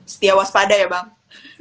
setiawaspada ya bang